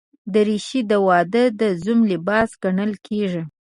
دریشي د واده د زوم لباس ګڼل کېږي.